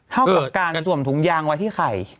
เท่ากับการสวมถุงยางไว้ที่ไข่